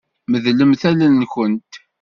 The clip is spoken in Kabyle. Medlemt allen-nkent.